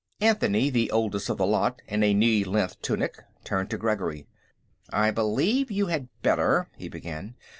Anthony the oldest of the lot, in a knee length tunic turned to Gregory. "I believe you had better...." he began.